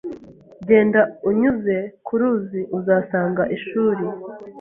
Genda unyuze ku ruzi uzasanga ishuri.